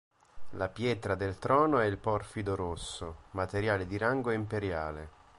La pietra del trono è il porfido rosso, materiale di rango imperiale.